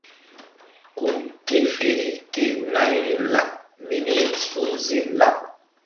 Ku ki̧feri kénayri laɓ mini suhze laɓ.